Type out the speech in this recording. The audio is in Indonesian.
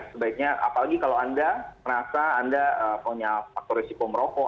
sebaiknya apalagi kalau anda merasa anda punya faktor risiko merokok